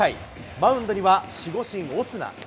マウンドには守護神、オスナ。